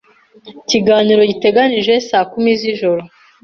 Ikiganiro giteganijwe saa kumi zijoro.